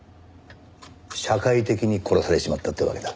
社会的に殺されちまったってわけだ。